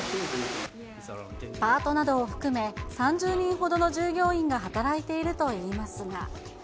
パートなどを含め３０人ほどの従業員が働いているといいますが。